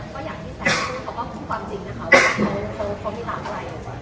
ก็อย่างที่แซคพูดเขาก็พูดความจริงนะคะว่าเขามีรักอะไร